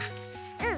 うん。